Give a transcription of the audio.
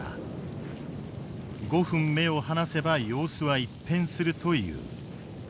５分目を離せば様子は一変するという。